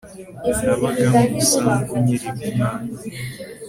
Nabaga mu isambu nkiri umwana